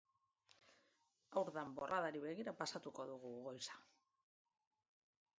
Haur danborradari begira pasatuko dugu goiza.